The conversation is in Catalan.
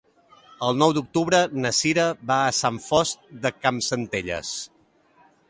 El nou d'octubre na Sira va a Sant Fost de Campsentelles.